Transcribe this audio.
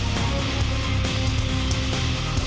mas ini dia mas